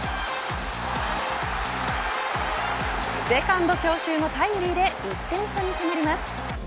セカンド強襲のタイムリーで１点差に迫ります。